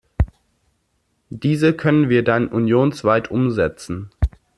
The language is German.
Diese können wir dann unionsweit umsetzen.